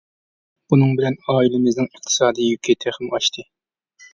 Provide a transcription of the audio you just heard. بۇنىڭ بىلەن ئائىلىمىزنىڭ ئىقتىسادىي يۈكى تېخىمۇ ئاشتى.